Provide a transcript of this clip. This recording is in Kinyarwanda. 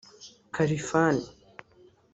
Khalfan